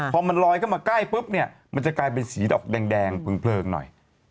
พอมันลอยเข้ามาใกล้ปุ๊บเนี่ยมันจะกลายเป็นสีดอกแดงเพลิงหน่อย